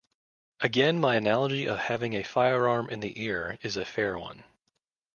Again my analogy of having a firearm in the ear is a fair one.